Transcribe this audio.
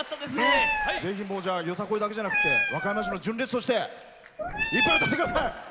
ぜひ、よさこいだけじゃなくて和歌山市の純烈としていっぱい歌ってください。